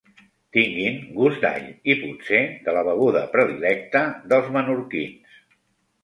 Tinguin gust d'all, i potser de la beguda predilecta dels menorquins.